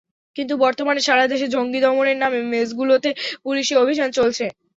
কিন্তু বর্তমানে সারা দেশে জঙ্গি দমনের নামে মেসগুলোতে পুলিশি অভিযান চলছে।